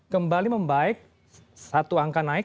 kembali membaik satu angka naik tiga puluh delapan